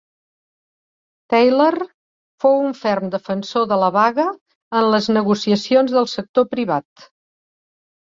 Taylor fou un ferm defensor de la vaga en les negociacions del sector privat.